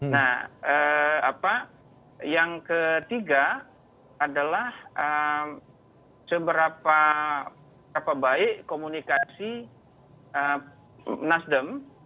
nah apa yang ketiga adalah seberapa baik komunikasi nasdem